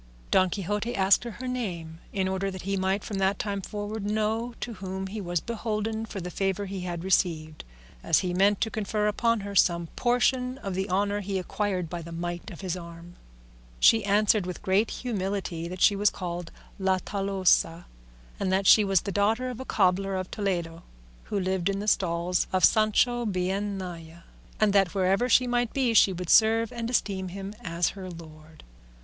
Don Quixote asked her name in order that he might from that time forward know to whom he was beholden for the favour he had received, as he meant to confer upon her some portion of the honour he acquired by the might of his arm. She answered with great humility that she was called La Tolosa, and that she was the daughter of a cobbler of Toledo who lived in the stalls of Sanchobienaya, and that wherever she might be she would serve and esteem him as her lord.